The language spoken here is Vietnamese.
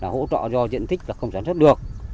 hỗ trợ do diện tích không sản xuất được